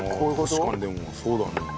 確かにでもそうだね。